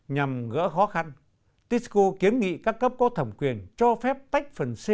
nhằm gỡ khó khăn tisco kiến nghị các cấp có thẩm quyền cho phép tách phần c